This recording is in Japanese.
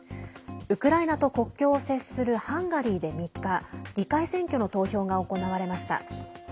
ウクライナと国境を接するハンガリーで３日議会選挙の投票が行われました。